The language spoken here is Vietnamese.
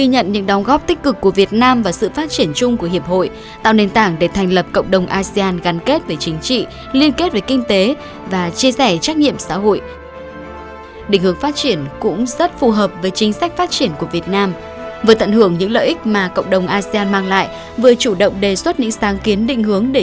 hãy đăng ký kênh để ủng hộ kênh của chúng mình nhé